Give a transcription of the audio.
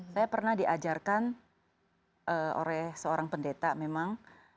saya pernah diajarkan oleh seorang pendeta memang